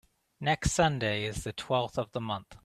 Next Sunday is the twelfth of the month.